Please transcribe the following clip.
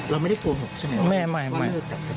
เราไม่ได้โกหกใช่มั้ย